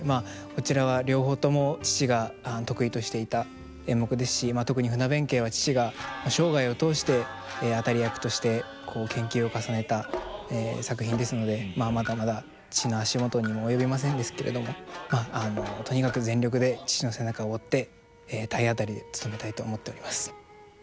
こちらは両方とも父が得意としていた演目ですし特に「船弁慶」は父が生涯を通して当たり役として研究を重ねた作品ですのでまだまだ父の足元にも及びませんですけれどもとにかく全力で父の背中を追って体当たりでつとめたいと思っております。